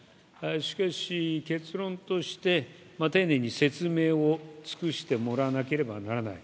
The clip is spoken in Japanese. しかし、結論として丁寧に説明を尽くしてもらわなければならない。